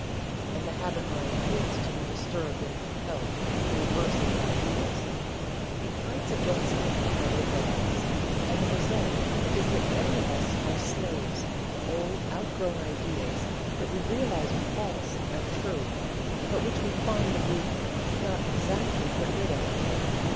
And the habit mind hates to be disturbed and compelled to revise its ideas. It fights against it, and rebels, and the result is that many of us are slaves to old outgrown ideas that we realize are false and untrue, but which we find that we "cannot exactly get rid of."